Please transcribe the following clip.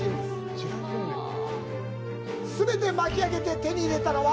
全て巻き上げて手に入れたのは。